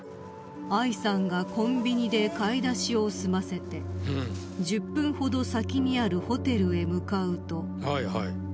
［Ｉさんがコンビニで買い出しを済ませて１０分ほど先にあるホテルへ向かうと］